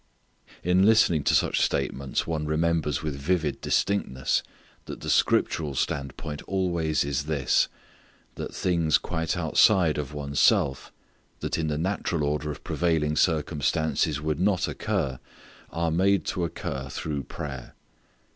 In listening to such statements one remembers with vivid distinctness that the scriptural standpoint always is this: that things quite outside of one's self, that in the natural order of prevailing circumstances would not occur, are made to occur through prayer.